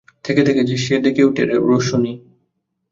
থেকে থেকে সে ডেকে ওঠে, রোশনি!